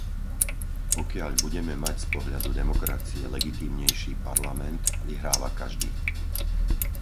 Pokiaľ budeme mať z pohľadu demokracie legitímnejší Parlament, vyhráva každý.